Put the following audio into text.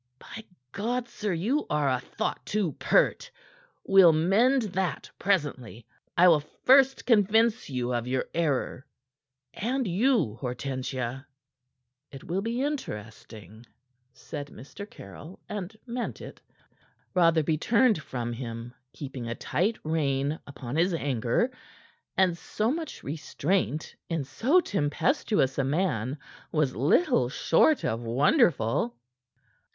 "By God, sir! You are a thought too pert. We'll mend that presently. I will first convince you of your error, and you, Hortensia." "It will be interesting," said Mr. Caryll, and meant it. Rotherby turned from him, keeping a tight rein upon his anger; and so much restraint in so tempestuous a man was little short of wonderful.